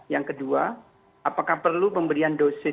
yang kedua apakah perlu pemberian dosis